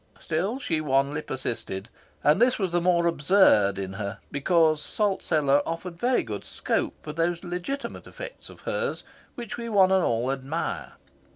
Still she wanly persisted. And this was the more absurd in her because Salt Cellar offered very good scope for those legitimate effects of hers which we one and all admire.